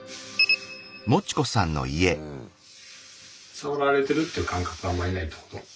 触られてるっていう感覚があんまりないってこと？